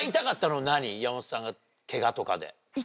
山本さんがケガとかで。